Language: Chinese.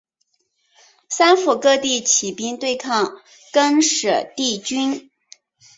三辅各地起兵对抗更始帝军。